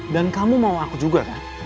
dan kamu mau aku juga kan